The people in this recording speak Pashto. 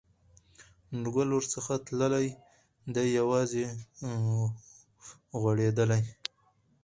نور ګلاب ورڅخه تللي، دی یوازي غوړېدلی